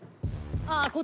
ああ。